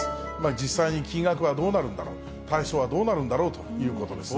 実際に金額はどうなるんだろう、対象はどうなるんだろうということですね。